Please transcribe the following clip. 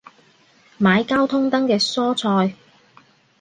買交通燈嘅蔬菜